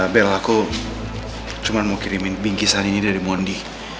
bel aku cuman mau kirimin bingkisan ini dari mondi